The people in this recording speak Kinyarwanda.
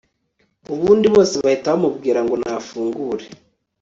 Ubundi bose bahita bamubwira ngo nafungure